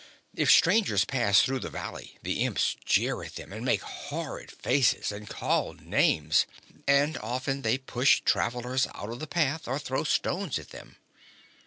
If strangers pass through the valley the Imps jeer at them and make horrid faces and call names, and often they push travelers out of the path or throw stones at them.